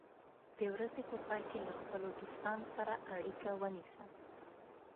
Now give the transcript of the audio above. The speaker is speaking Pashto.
د ورځې په پای کې له خپلو دوستانو سره اړیکه ونیسه.